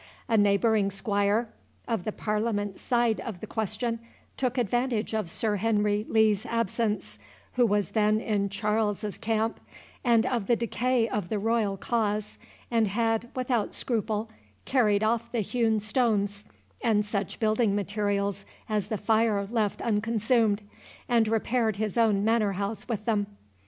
A neighbouring squire, of the Parliament side of the question, took advantage of Sir Henry Lee's absence, who was then in Charles's camp, and of the decay of the royal cause, and had, without scruple, carried off the hewn stones, and such building materials as the fire left unconsumed, and repaired his own manor house with them.